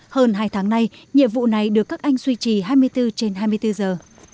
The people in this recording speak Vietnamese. hơn hai tháng nay nhiệm vụ này được các anh suy trì hai mươi bốn trên hai mươi bốn giờ